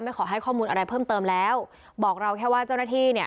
ขอให้ข้อมูลอะไรเพิ่มเติมแล้วบอกเราแค่ว่าเจ้าหน้าที่เนี่ย